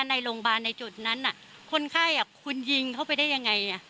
ในโรงพยาบาลในจุดนั้นคนไข้คุณยิงเข้าไปได้ยังไง